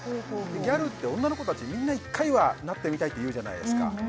ギャルって女の子たちみんな１回はなってみたいって言うじゃないですか